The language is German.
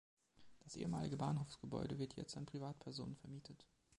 Das ehemalige Bahnhofsgebäude wird jetzt an Privatpersonen vermietet.